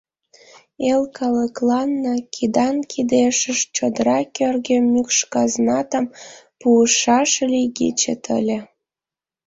Эл калыкланна кидан-кидешышт чодыра кӧргӧ мӱкш казнатым пуышаш лийгечет ыле.